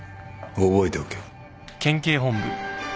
覚えておけ。